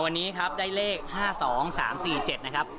วันนี้ครับได้เลข๕๒๓๔๗นะครับ